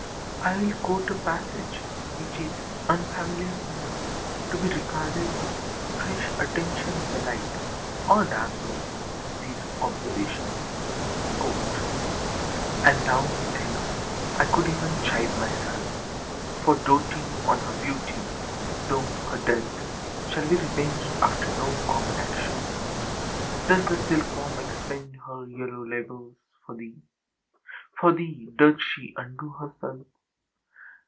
I will quote a passage which is unfamiliar enough to be regarded with fresh attention in the lightâor darknessâof these observations: And now methinks I could eâen chide myself For doating on her beauty, though her death Shall be revenged after no common action. Does the silkworm expend her yellow labours For thee? For thee does she undo herself?